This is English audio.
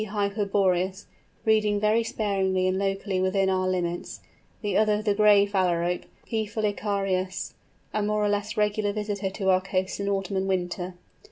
hyperboreus_, breeding very sparingly and locally within our limits, the other the Gray Phalarope, P. fulicarius, a more or less regular visitor to our coasts in autumn and winter.